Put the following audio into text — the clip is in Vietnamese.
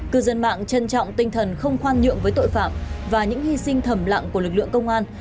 cư dân mạng trân trọng tinh thần không khoan nhượng với tội phạm và những hy sinh thầm lặng của lực lượng công an